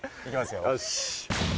よし。